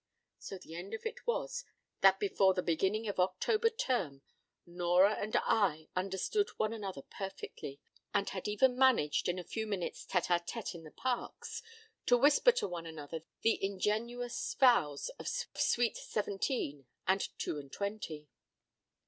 So the end of it was, that before the beginning of October term, Nora and I understood one another perfectly, and had even managed, in a few minutes' tête à tête in the parks, to whisper to one another the ingenuous vows of sweet seventeen and two and twenty.